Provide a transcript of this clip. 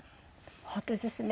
本当ですね。